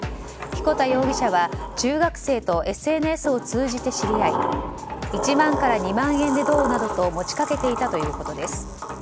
彦田容疑者は中学生とＳＮＳを通じて知り合い１万から２万円でどう？などと持ち掛けていたということです。